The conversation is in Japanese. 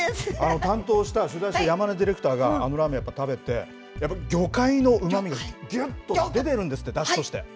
取材したディレクターがあのラーメン食べて魚介のうまみがぎゅっと出てるんですってだしとして。